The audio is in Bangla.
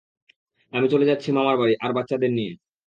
আমি চলে যাচ্ছি মামার বাড়ি, আর বাচ্চাদের নিয়ে।